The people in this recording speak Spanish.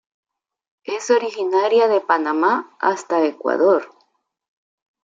Es originaria de Panamá hasta Ecuador.